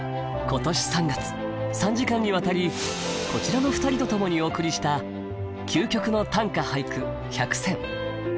今年３月３時間にわたりこちらの２人と共にお送りした「究極の短歌・俳句１００選」。